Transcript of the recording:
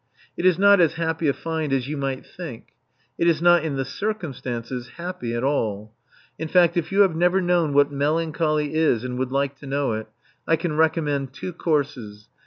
It is not as happy a find as you might think. It is not, in the circumstances, happy at all. In fact, if you have never known what melancholy is and would like to know it, I can recommend two courses.